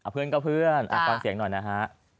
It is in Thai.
เพื่อนก็เพื่อนฟังเสียงหน่อยนะฮะ